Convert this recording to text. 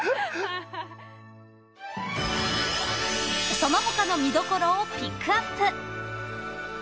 ［その他の見どころをピックアップ］